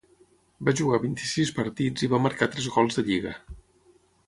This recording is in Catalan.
Va jugar vint-i-sis partits i va marcar tres gols de lliga.